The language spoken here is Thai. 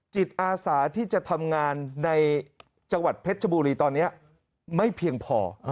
จิตอาสาที่จะทำงานในจังหวัดเพชรชบุรีตอนนี้ไม่เพียงพอ